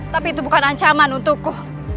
tapi itu bukan ancaman untukku